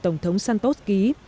của tổng thống santos ký